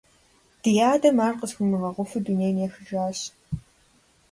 Ди адэм ар къысхуимыгъэгъуфу дунейм ехыжащ.